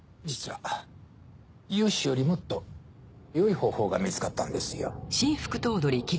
実は融資よりもっとよい方法が見つかったんですよ。